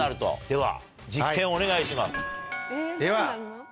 では。